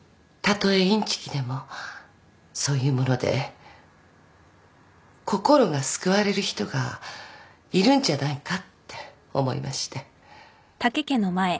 たとえいんちきでもそういうもので心が救われる人がいるんじゃないかって思いまして。